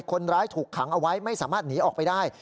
คนร้ายถูกขังเอาไว้ไม่สามารถหนีออกไปได้